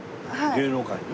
芸能界に？